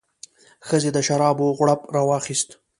ښځې د شرابو غوړپ راواخیست.